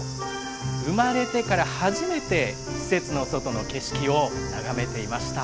生まれてから初めて施設の外の景色を眺めていました。